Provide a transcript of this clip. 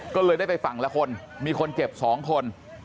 ก็เลยได้ไปฝั่งละคนมีคนเจ็บ๒คน